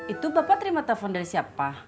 itu bapak terima telepon dari siapa